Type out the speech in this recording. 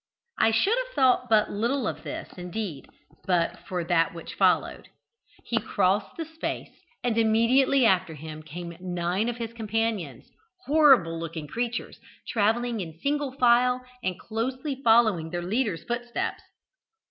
I should have thought but little of this, indeed, but for that which followed. He crossed the space, and immediately after him came nine of his companions, horrible looking creatures, travelling in single file and closely following in their leader's footsteps.